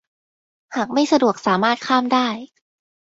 หากไม่สะดวกสามารถข้ามได้